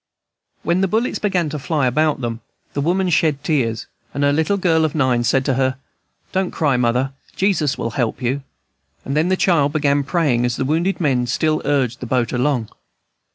When the bullets began to fly about them, the woman shed tears, and her little girl of nine said to her, "Don't cry, mother, Jesus will help you," and then the child began praying as the wounded men still urged the boat along.